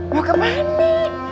mau kemana nih